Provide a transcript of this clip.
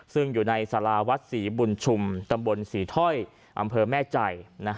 ซึ่งอยู่ในสาราวัดศรีบุญชุมตำบลศรีถ้อยอำเภอแม่ใจ